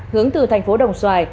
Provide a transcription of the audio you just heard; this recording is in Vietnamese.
hướng từ thành phố đồng xoài